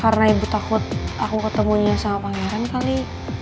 karena ibu takut aku ketemunya sama pangeran kali